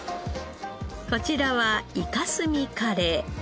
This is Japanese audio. こちらはイカ墨カレー。